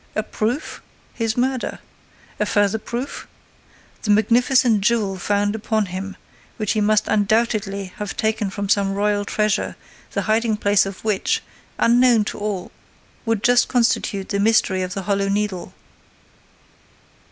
A proof? His murder. A further proof? The magnificent jewel found upon him, which he must undoubtedly have taken from some royal treasure the hiding place of which, unknown to all, would just constitute the mystery of the Hollow Needle.